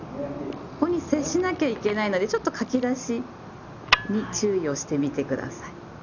ここに接しなきゃいけないのでちょっと書き出しに注意をしてみて下さい。